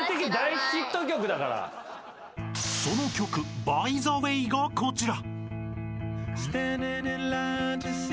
［その曲『ＢｙＴｈｅＷａｙ』がこちら］